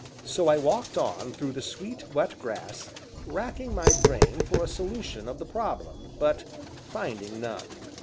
So I walked on through the sweet, wet grass, racking my brain for a solution of the problem, but finding none.